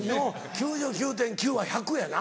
９９．９％は１００％やな。